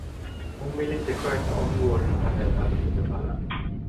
Hon ville inte sköta om gården, utan lät allting förfalla.